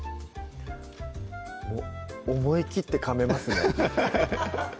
思いきってかめますね